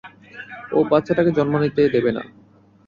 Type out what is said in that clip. ও বাচ্চাটাকে জন্ম নিতে দেবে না!